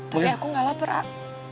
tapi aku nggak lapar ah